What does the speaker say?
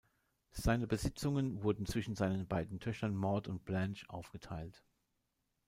Seine Besitzungen wurden zwischen seinen beiden Töchtern Maud und Blanche aufgeteilt.